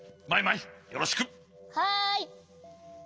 はい！